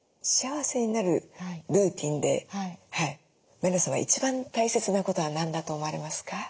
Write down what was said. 幸せになるルーティンで前野さんは一番大切なことは何だと思われますか？